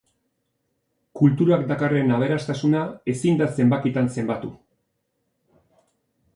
Kulturak dakarren aberastasuna ezin da zenbakitan zenbatu.